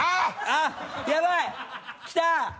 あっヤバイ！来た！